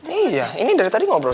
iya ini dari tadi ngobrol